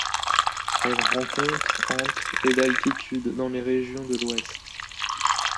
Elle se rencontre entre et d'altitude dans les régions de l'Ouest.